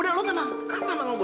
udah lo tenang aman lah lo gue